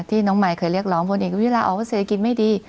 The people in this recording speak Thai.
น้องมายเคยเรียกร้องพลเอกวิทยาออกว่าเศรษฐกิจไม่ดี